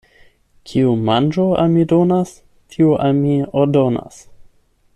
Kiu manĝon al mi donas, tiu al mi ordonas.